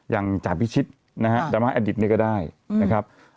อย่างจาวพิชิตนะฮะดรรมะแอดิฟต์นี้ก็ได้นะครับ